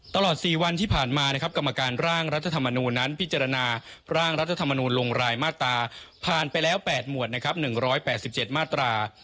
ตลอด๔วันที่ผ่านมานะครับกรรมการร่างรัฐธรรมนูญนั้นพิจารณาร่างรัฐธรรมนูลลงรายมาตราผ่านไปแล้ว๘หมวดนะครับ๑๘๗มาตรา